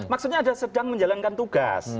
maksudnya ada sedang menjalankan tugas